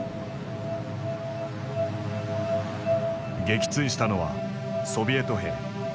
撃墜したのはソビエト兵。